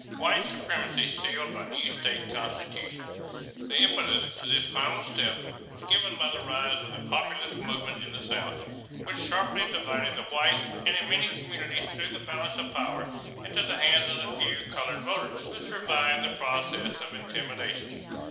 =White Supremacy Sealed by New State Constitutions.= The impetus to this final step was given by the rise of the Populist movement in the South, which sharply divided the whites and in many communities threw the balance of power into the hands of the few colored voters who survived the process of intimidation.